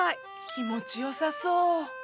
気持ちよさそう。